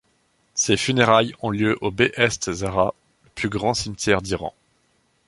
Ses funérailles ont lieu au Behesht-e Zahra, plus grand cimetière d'Iran.